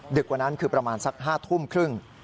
กว่านั้นคือประมาณสัก๕ทุ่มครึ่ง